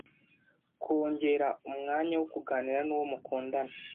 kongera umwanya wo kuganira n’uwo mukundana